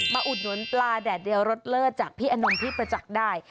อุดหนุนปลาแดดเดียวรสเลิศจากพี่อนงพี่ประจักษ์ได้